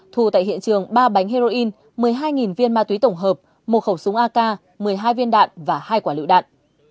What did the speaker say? thu tại hiện trường ba bánh heroin một mươi hai viên ma túy tổng hợp một khẩu súng ak một mươi hai viên đạn và hai quả lựu đạn